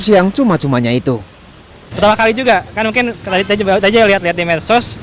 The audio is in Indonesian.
siang cuma cumanya itu pertama kali juga kan mungkin tadi lihat lihat di medsos